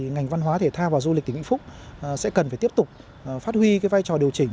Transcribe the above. ngành văn hóa thể thao và du lịch tỉnh vĩnh phúc sẽ cần phải tiếp tục phát huy vai trò điều chỉnh